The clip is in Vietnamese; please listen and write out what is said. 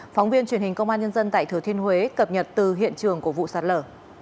phóng viên truyền hình công an nhân dân tại thừa thiên huế cập nhật từ hiện trường của vụ sạt lở